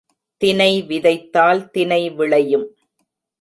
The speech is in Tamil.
தினை விதைத்தால் தினை விளையும்.